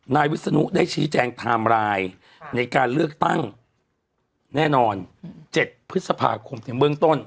วิศนุได้ชี้แจงไทม์ไลน์ในการเลือกตั้งแน่นอน๗พฤษภาคมในเบื้องต้น